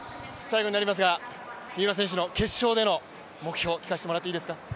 最後になりますが、三浦選手の決勝での目標、聞かせてもらっていいですか？